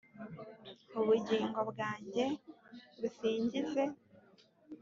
ubugingo bwanjye busingize